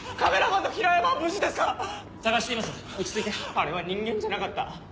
あれは人間じゃなかった。